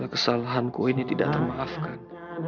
kesalahanku ini tidak termaafkan